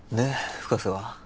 深瀬は？